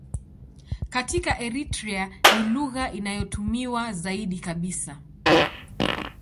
Katika Eritrea ni lugha inayotumiwa zaidi kabisa.